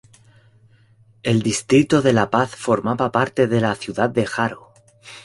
El distrito de La Paz formaba parte de la ciudad de Jaro.